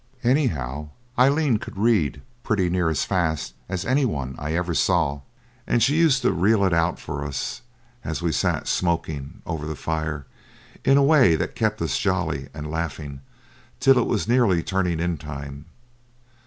Anyhow, Aileen could read pretty near as fast as any one I ever saw, and she used to reel it out for us, as we sat smoking over the fire, in a way that kept us jolly and laughing till it was nearly turning in time.